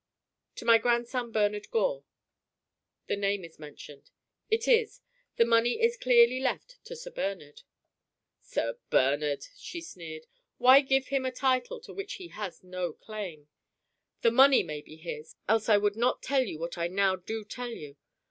'" "To my grandson Bernard Gore." "The name is mentioned." "It is. The money is clearly left to Sir Bernard." "Sir Bernard," she sneered. "Why give him a title to which he has no claim? The money may be his, else I would not tell you what I now do tell you.